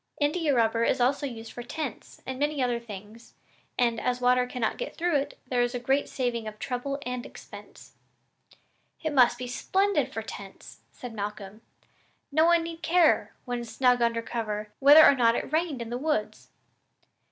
India rubber is also used for tents and many other things, and, as water cannot get through it, there is a great saving of trouble and expense." "It must be splendid for tents," said Malcolm; "no one need care, when snug under cover, whether or not it rained in the woods."